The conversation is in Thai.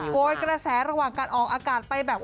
โกยกระแสระหว่างการออกอากาศไปแบบ